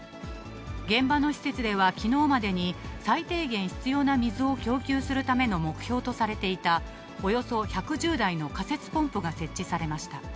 現場の施設ではきのうまでに、最低限必要な水を供給するための目標とされていたおよそ１１０台の仮設ポンプが設置されました。